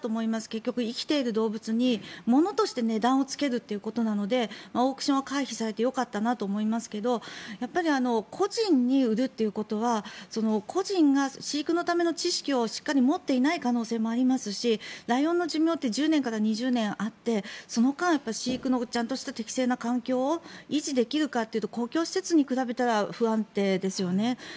結局、生きている動物にものとして値段をつけるということなのでオークションは回避されてよかったなと思いますけどやっぱり個人に売るということは個人が飼育のための知識をしっかり持っていない可能性もありますしライオンの寿命って１０年から２０年あってその間、飼育のちゃんとした適正な環境を維持できるかというと公共施設に比べたら不安定ですよね。